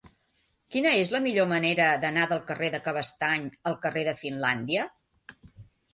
Quina és la millor manera d'anar del carrer de Cabestany al carrer de Finlàndia?